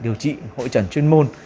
điều trị hội chuẩn chuyên môn